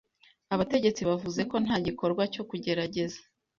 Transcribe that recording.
abategetsi bavuze ko nta gikorwa cyo kugerageza